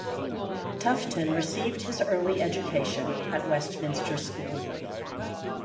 Tufton received his early education at Westminster School.